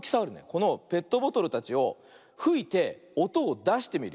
このペットボトルたちをふいておとをだしてみるよ。